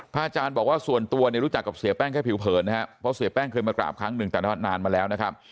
อาจารย์บอกว่าส่วนตัวเนี่ยรู้จักกับเสียแป้งแค่ผิวเผินนะครับเพราะเสียแป้งเคยมากราบครั้งหนึ่งแต่นานมาแล้วนะครับ